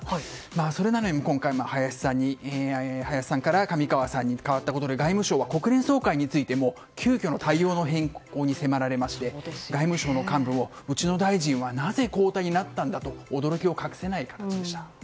それなのに今回、林さんから上川さんに代わったことで外務省は国連総会についても急きょの変更に迫られて外務省の幹部もうちの大臣はなぜ交代になったんだ？と驚きを隠せない形でした。